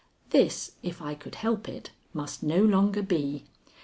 This, if I could help it, must no longer be.